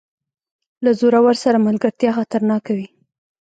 له زورور سره ملګرتیا خطرناکه وي.